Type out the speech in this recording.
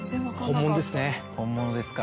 本物ですか。